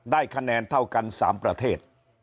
ได้คะแนนเท่ากัน๓ประเทศ